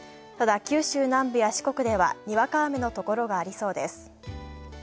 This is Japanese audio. ただ、九州南部や四国では、にわか雨のところがありそうです。